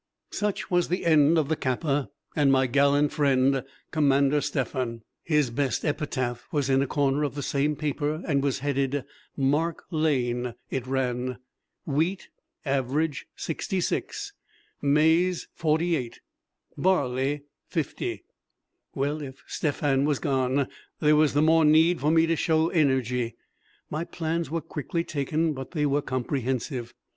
Such was the end of the Kappa, and my gallant friend, Commander Stephan. His best epitaph was in a corner of the same paper, and was headed "Mark Lane." It ran: "Wheat (average) 66, maize 48, barley 50." Well, if Stephan was gone there was the more need for me to show energy. My plans were quickly taken, but they were comprehensive.